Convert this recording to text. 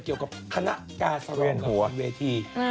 เกี่ยวกับคณะกาสรองกับละครเวที